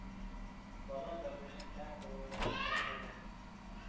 بالا دەرۋىشنى كەڭ بىر ھويلىغا باشلاپ كىردى.